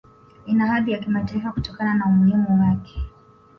Ina hadhi ya Kimataifa kutokana na umuhimu wake